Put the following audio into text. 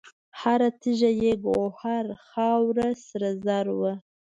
هر تیږه یې ګوهر، خاوره سره زر وه